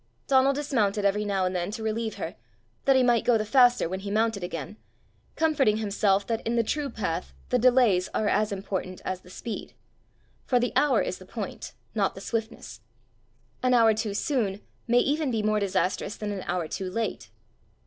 Donal dismounted every now and then to relieve her, that he might go the faster when he mounted again, comforting himself that in the true path the delays are as important as the speed; for the hour is the point, not the swiftness: an hour too soon may even be more disastrous than an hour too late!